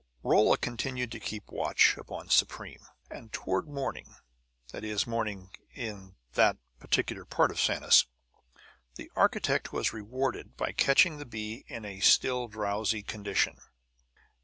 Rolla continued to keep watch upon Supreme; and toward morning that is, morning in that particular part of Sanus the architect was rewarded by catching the bee in a still drowsy condition.